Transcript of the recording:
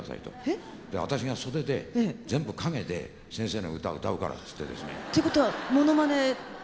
「私が袖で全部陰で先生の歌うから」ってですね。ってことはものまねで？